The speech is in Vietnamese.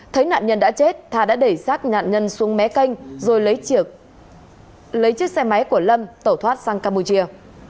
thấy nạn nhân đã chết tha đã đẩy sát nạn nhân xuống mé canh rồi lấy chiếc xe máy của lâm tẩu thoát sang campuchia